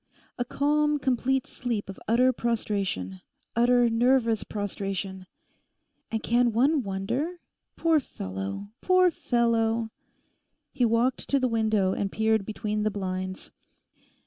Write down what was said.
A calm, complete sleep of utter prostration—utter nervous prostration. And can one wonder? Poor fellow, poor fellow!' He walked to the window and peered between the blinds.